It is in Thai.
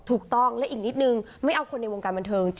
ถูกต้องและอีกนิดนึงไม่เอาคนในวงการบันเทิง